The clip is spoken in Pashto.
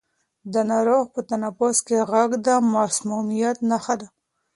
د ناروغ په تنفس کې غږ د مسمومیت نښه ده.